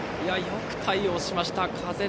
よく対応しました。